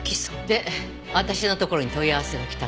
で私のところに問い合わせがきたの。